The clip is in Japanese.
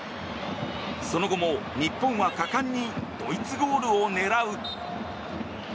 その後も日本は果敢にドイツゴールを狙う。